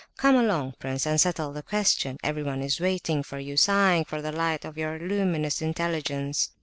Come along, prince, and settle the question. Everyone is waiting for you, sighing for the light of your luminous intelligence..."